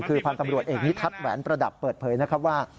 คือพันธ์ตำรวจเอกนิทัศน์แหวนประดับเปิดเผยนะครับว่า